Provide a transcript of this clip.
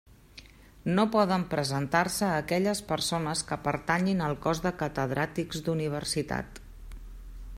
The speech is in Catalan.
No poden presentar-se aquelles persones que pertanyin al cos de Catedràtics d'Universitat.